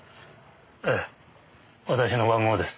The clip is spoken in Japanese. ええ私の番号です。